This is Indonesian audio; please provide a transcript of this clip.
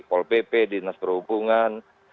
pol pp dinas perhubungan